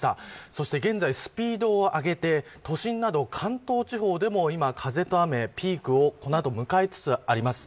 そして現在、スピードを上げて都心など関東地方でも今、風と雨、ピークをこの後迎えつつあります。